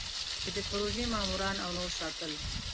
چې د پروژې ماموران او نور ساتل.